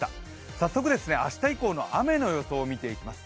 早速、明日以降の雨の予想を見ていきます。